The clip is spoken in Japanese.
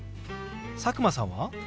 佐久間さんは？